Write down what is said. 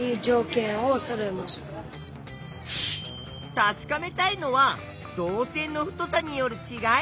たしかめたいのは導線の太さによるちがい。